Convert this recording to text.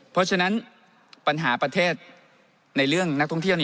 เพราะฉะนั้นปัญหาประเทศในเรื่องนักท่องเที่ยว